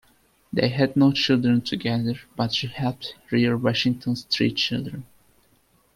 They had no children together, but she helped rear Washington's three children.